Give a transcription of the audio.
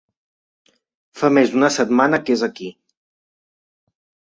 Fa més d'una setmana que és aquí.